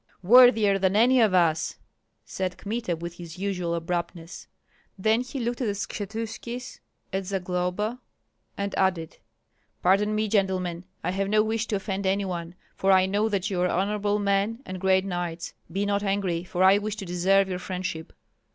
"Worthier than any of us!" said Kmita, with his usual abruptness. Then he looked at the Skshetuskis, at Zagloba, and added: "Pardon me, gentlemen, I have no wish to offend any one, for I know that you are honorable men and great knights; be not angry, for I wish to deserve your friendship."